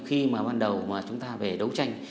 khi mà ban đầu mà chúng ta về đấu tranh